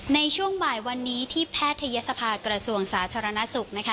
ในช่วงบ่ายวันนี้ที่แพทยศภากระทรวงสาธารณสุขนะคะ